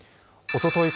おととい